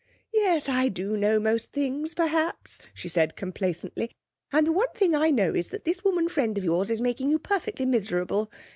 'Yes, I do know most things, perhaps,' she said complacently. 'And one thing I know is that this woman friend of yours is making you perfectly miserable.